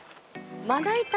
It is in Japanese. まな板